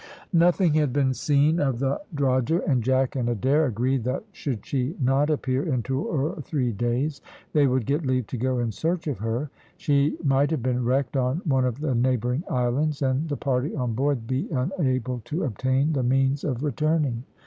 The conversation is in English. Nothing had been seen of the drogher, and Jack and Adair agreed that should she not appear in two or three days they would get leave to go in search of her. She might have been wrecked on one of the neighbouring islands, and the party on board be unable to obtain the means of returning.